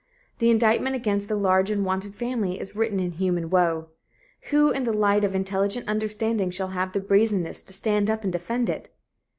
The indictment against the large unwanted family is written in human woe. Who in the light of intelligent understanding shall have the brazenness to stand up and defend it?